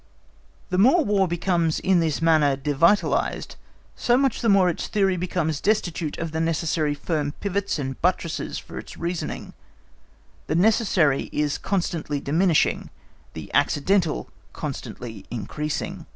The more War becomes in this manner devitalised so much the more its theory becomes destitute of the necessary firm pivots and buttresses for its reasoning; the necessary is constantly diminishing, the accidental constantly increasing.